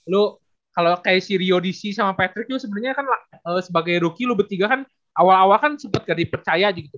lu kalo kayak si rio dc sama patrick lu sebenernya kan sebagai rookie lu bertiga kan awal awal kan sempet gak dipercaya aja gitu